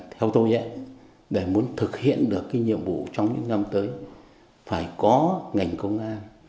theo tôi để muốn thực hiện được cái nhiệm vụ trong những năm tới phải có ngành công an